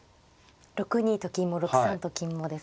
６二と金も６三と金もですか。